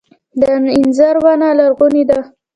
د انځر ونه لرغونې ده